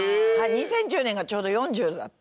２０１０年がちょうど４０だった。